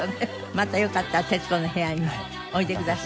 またよかったら『徹子の部屋』においでください。